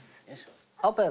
オープン！